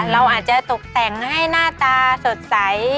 เราอาจจะตกแต่งให้หน้าตาสดใส